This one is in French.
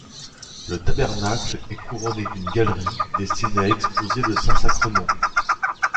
Le tabernacle est couronné d’une galerie destinée à exposer le Saint Sacrement..